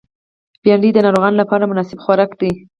بېنډۍ د ناروغانو لپاره مناسب خوراک دی